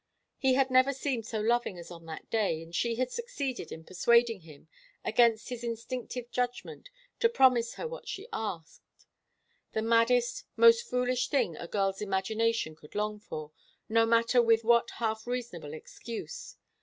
He had never seemed so loving as on that day, and she had succeeded in persuading him, against his instinctive judgment, to promise her what she asked, the maddest, most foolish thing a girl's imagination could long for, no matter with what half reasonable excuse.